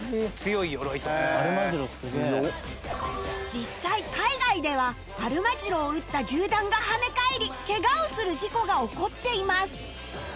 実際海外ではアルマジロを撃った銃弾がはね返りケガをする事故が起こっています